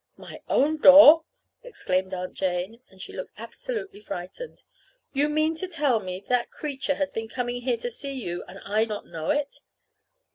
"My own door!" exclaimed Aunt Jane. And she looked absolutely frightened. "You mean to tell me that that creature has been coming here to see you, and I not know it?"